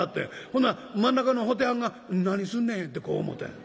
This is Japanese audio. ほんなら真ん中の布袋はんが『何すんねん』ってこう思うたんや。